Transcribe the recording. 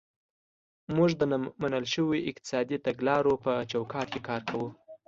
موږ د منل شویو اقتصادي تګلارو په چوکاټ کې کار کوو.